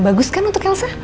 bagus kan untuk elsa